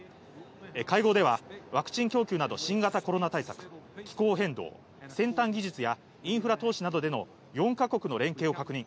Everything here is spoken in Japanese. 会合では、ワクチン供給など新型コロナ対策、気候変動、先端技術やインフラ投資などでの４か国の連携を確認。